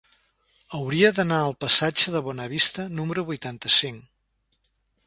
Hauria d'anar al passatge de Bonavista número vuitanta-cinc.